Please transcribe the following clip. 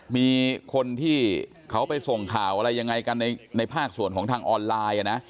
มีคนที่เขาไปส่งข่าวอะไรยังไงกันในภาคส่วนของทางออนไลน์นะ